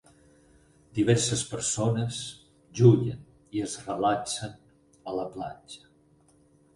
Diverses persones juguen i es relaxen a la platja.